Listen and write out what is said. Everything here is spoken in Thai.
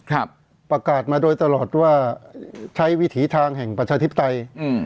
ประกาศมาโดยตลอดว่าใช้วิถีทางแห่งประชาธิปไตยอืม